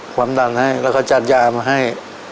ความดันให้แล้วก็จัดยามาให้